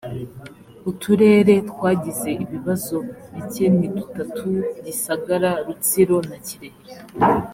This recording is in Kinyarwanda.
uturere twagize ibibazo bike ni dutatu gisagara , rutsiro na kirehe